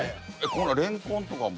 こんなレンコンとかも。